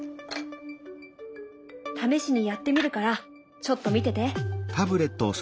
試しにやってみるからちょっと見てて。